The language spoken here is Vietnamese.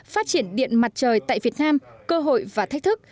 phát triển điện mặt trời tại việt nam cơ hội và thách thức